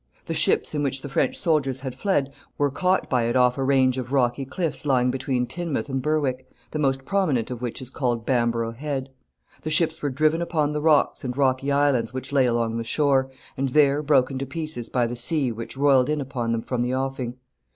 The ships in which the French soldiers had fled were caught by it off a range of rocky cliffs lying between Tynemouth and Berwick, the most prominent of which is called Bamborough Head. The ships were driven upon the rocks and rocky islands which lay along the shore, and there broken to pieces by the sea which rolled in upon them from the offing.